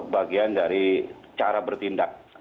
bagian dari cara bertindak